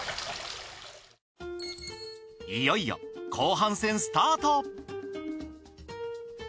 いよいよ後半戦スタート！